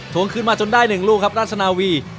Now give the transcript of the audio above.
วงขึ้นมาจนได้๑ลูกครับราชนาวี